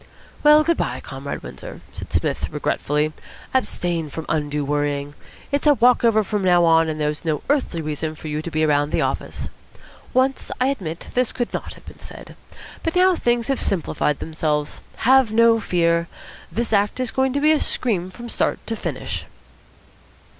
"Well, good bye, Comrade Windsor," said Psmith regretfully. "Abstain from undue worrying. It's a walk over from now on, and there's no earthly need for you to be around the office. Once, I admit, this could not have been said. But now things have simplified themselves. Have no fear. This act is going to be a scream from start to finish."